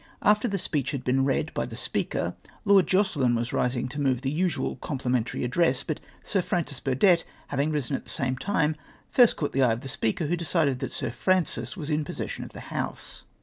After the speech had been read by the Speaker, Lord Jocelpi was rising to move the usual complimentary addi'ess, but Sir Francis Btuxlett, hav ing risen at the same time, first caught the eye of the Speaker, wlio decided that Sir Francis was m possession of the House.